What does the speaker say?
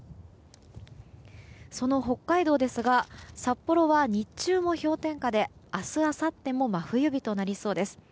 その北海道ですが札幌は日中も氷点下で明日あさっても真冬日となりそうです。